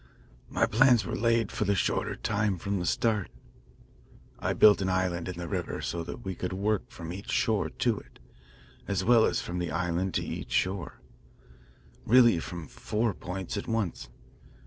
My plans were laid for the shorter time from the start. I built an island in the river so that we could work from each shore to it, as well as from the island to each shore, really from four points at once.